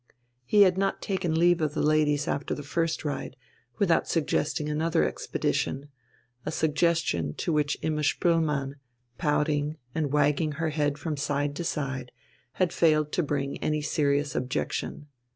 He had not taken leave of the ladies after the first ride without suggesting another expedition, a suggestion to which Imma Spoelmann, pouting and wagging her head from side to side, had failed to bring any serious objection.